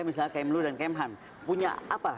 misalnya km lu dan km han punya apa